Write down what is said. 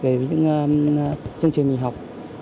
về những chương trình mình học